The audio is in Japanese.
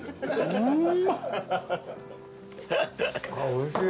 おいしい。